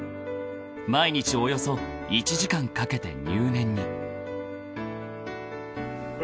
［毎日およそ１時間かけて入念に］